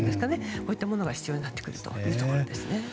そういったものが必要になってくるというところですね。